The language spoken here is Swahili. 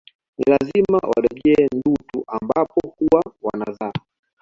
Ni lazima warejee Ndutu ambapo huwa wanazaa